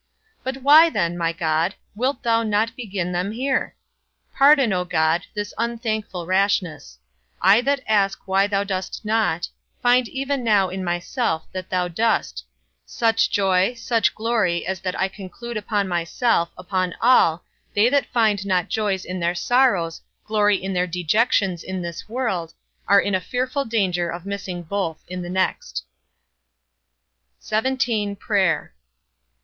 But why then, my God, wilt thou not begin them here? Pardon, O God, this unthankful rashness; I that ask why thou dost not, find even now in myself, that thou dost; such joy, such glory, as that I conclude upon myself, upon all, they that find not joys in their sorrows, glory in their dejections in this world, are in a fearful danger of missing both in the next. XVII. PRAYER.